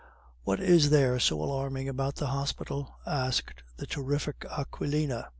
"What is there so alarming about the hospital?" asked the terrific Aquilina.